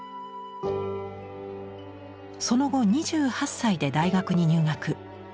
その後２８歳で大学に入学。